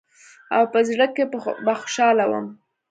او په زړه کښې به خوشاله وم.